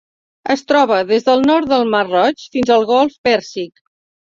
Es troba des del nord del Mar Roig fins al Golf Pèrsic.